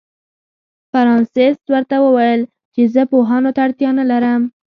فرانسس ورته وویل چې زه پوهانو ته اړتیا نه لرم.